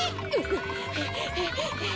はあはあはあ。